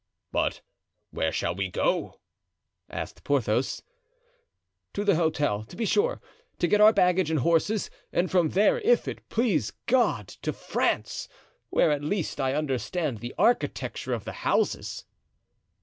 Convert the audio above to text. "But where shall we go?" asked Porthos. "To the hotel, to be sure, to get our baggage and horses; and from there, if it please God, to France, where, at least, I understand the architecture of the houses."